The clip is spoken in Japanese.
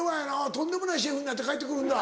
とんでもないシェフになって帰ってくるんだ。